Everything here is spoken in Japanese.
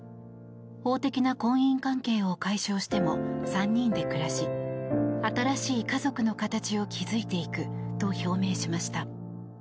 法的な婚姻関係を解消しても３人で暮らし新しい家族の形を築いていくと表明しました。